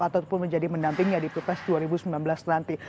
ataupun menjadi pendampingnya di pilpres dua ribu sembilan belas nanti